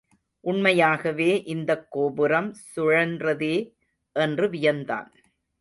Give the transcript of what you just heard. உண்மையாகவே இந்தக் கோபுரம் சுழன்றதே! என்று வியந்தான்.